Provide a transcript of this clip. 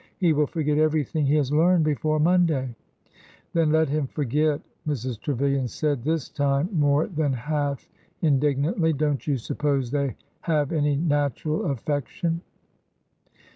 He will forget everything he has learned before Monday.'' Then let him forget! " Mrs. Trevilian said, this time more than half indignantly. Don't you suppose they have any natural affection